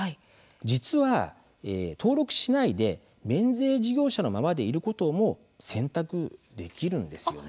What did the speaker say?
実は、登録しないで免税事業者のままでいることも選択できるんです。